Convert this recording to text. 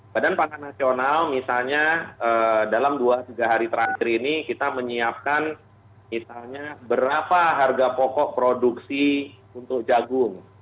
badan pangan nasional misalnya dalam dua tiga hari terakhir ini kita menyiapkan misalnya berapa harga pokok produksi untuk jagung